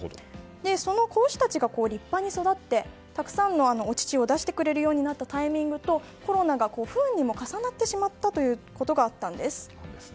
その小牛たちが立派に育ってたくさんのお乳を出してくれるようになったタイミングとコロナが不運にも重なってしまったということがあったんです。